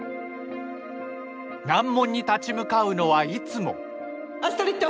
難問に立ち向かうのはいつもアストリッド。